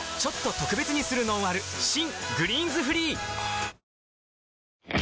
新「グリーンズフリー」